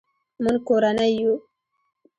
مونږ کورنۍ یو